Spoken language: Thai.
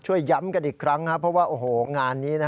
ช่วยย้ำกันอีกครั้งครับเพราะว่างานนี้